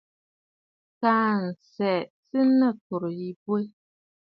Kaa nsəə sɨ nɨ kɔ̀rə̀ yì bwɛ.